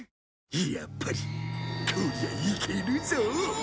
やっぱりこりゃいけるぞ！